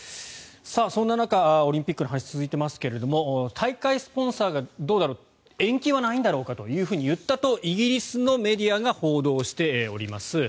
そんな中、オリンピックの話が続いていますが大会スポンサーが、どうだろう延期はないんだろうかと言ったとイギリスのメディアが報道しております。